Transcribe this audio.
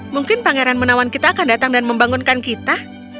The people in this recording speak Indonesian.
mungkin pangeran menawan kita akan datang dan membangunkan kita